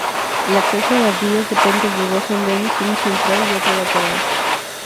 El acceso a las vías depende de dos andenes, uno central y otro lateral.